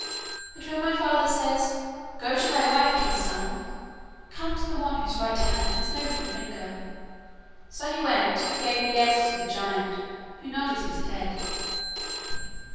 But when my father says 'Go to thy wife, king's son,' come to the one whose right hand has no little finger.' So he went and gave the eggs to the giant, who nodded his head.